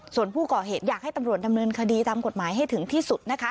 ส่วนผู้ก่อเหตุอยากให้ตำรวจดำเนินคดีตามกฎหมายให้ถึงที่สุดนะคะ